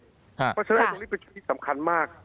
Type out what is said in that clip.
เพราะฉะนั้นตรงนี้เป็นจุดที่สำคัญมาก